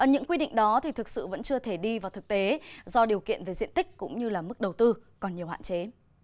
những quy định đó thực sự vẫn chưa thể đi vào thực tế do điều kiện về diện tích cũng như là mức đầu tư còn nhiều hạn chế